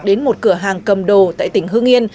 đến một cửa hàng cầm đồ tại tỉnh hương yên